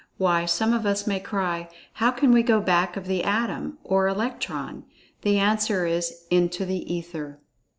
"Why," some of us may cry, "how can we go back of the Atom, or Electron?" The answer is "INTO THE ETHER"!